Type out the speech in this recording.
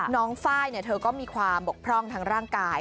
น้องฝ้ายเนี่ยเธอก็มีความบกพร่องทางร่างกาย